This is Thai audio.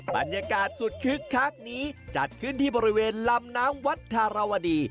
บรรยากาศสุดคึกคักนี้จัดขึ้นที่บริเวณลำน้ำวัดธารวดี